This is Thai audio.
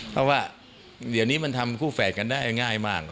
เพราะว่าเดี๋ยวนี้มันทำคู่แฝดกันได้ง่ายมาก